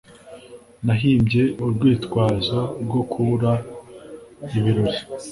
Nahimbye urwitwazo rwo kubura ibirori